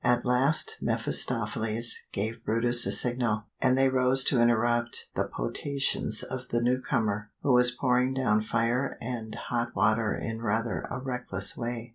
At last mephistopheles gave brutus a signal, and they rose to interrupt the potations of the newcomer, who was pouring down fire and hot water in rather a reckless way.